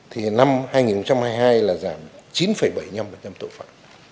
thì năm hai nghìn hai mươi hai là giảm chín bảy mươi năm tội phạm